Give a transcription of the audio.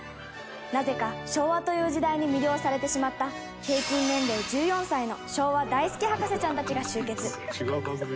なぜか、昭和という時代に魅了されてしまった平均年齢１４歳の昭和大好き博士ちゃんたちが集結。